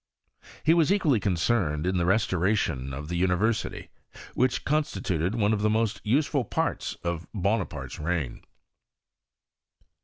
He was equally concerned in the restoration of the miversity, which constituted one of the most useM parts of Bonaparte's reign.